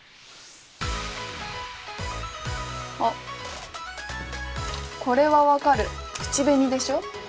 あっこれは分かる口紅でしょ？